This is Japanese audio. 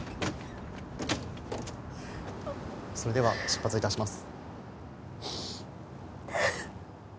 それでは出発致します。